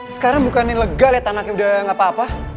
sekarang bukan yang lega liat anaknya udah gak apa apa